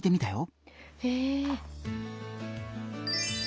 へえ。